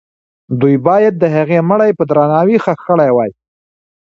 دوی باید د هغې مړی په درناوي ښخ کړی وای.